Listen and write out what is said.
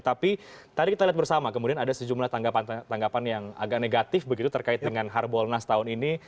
tapi tadi kita lihat bersama kemudian ada sejumlah tanggapan tanggapan yang agak negatif begitu terkait dengan harbolnas tahun ini